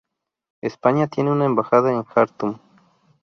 España tiene una embajada en Jartum.